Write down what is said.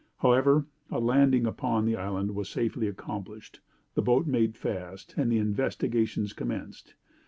However a landing upon the island was safely accomplished, the boat made fast and the investigations commenced.